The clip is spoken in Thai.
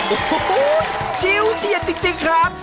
โอ้โฮชิลล์เฉียนจริงครับ